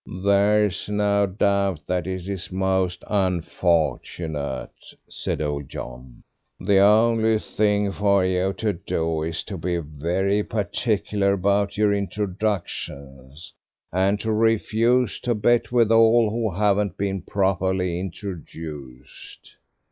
"There's no doubt that it is most unfortunate," said old John. "The only thing for you to do is to be very particular about yer introductions, and to refuse to bet with all who haven't been properly introduced."